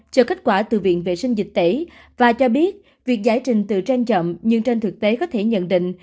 chờ kết quả từ viện vệ sinh dịch tễ và cho biết việc giải trình từ trên chậm nhưng trên thực tế có thể nhận định